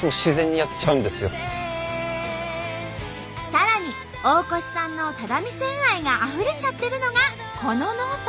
さらに大越さんの只見線愛があふれちゃってるのがこのノート。